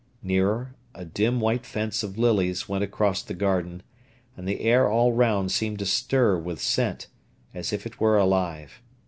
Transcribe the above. Nearer, a dim white fence of lilies went across the garden, and the air all round seemed to stir with scent, as if it were alive.